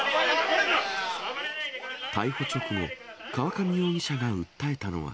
逮捕直後、河上容疑者が訴えたのは。